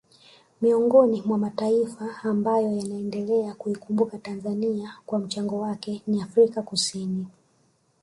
Miongoni mwa mataifa ambayo yanaendelea kuikumbuka Tanzania kwa mchango wake ni Afrika Kusini